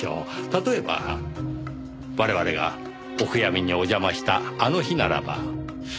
例えば我々がお悔やみにお邪魔したあの日ならば。